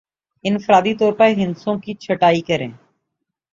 انفرادی طور پر ہندسوں کی چھٹائی کریں